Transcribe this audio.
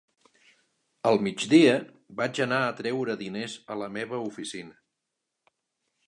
Al migdia, vaig anar a treure diners a la meva oficina.